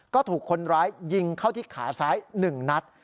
ก็ถูกคนร้ายยิงเข้าที่ขาซ้าย๑นัด